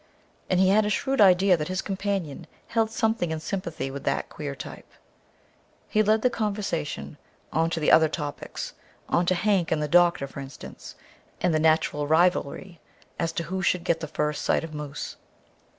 And he had a shrewd idea that his companion held something in sympathy with that queer type. He led the conversation on to other topics, on to Hank and the doctor, for instance, and the natural rivalry as to who should get the first sight of moose.